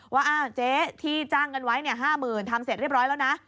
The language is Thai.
ว่าเจ๊ที่จ้างเงินไว้๕๐๐๐ทำเสร็จเรียบร้อยแล้วนะ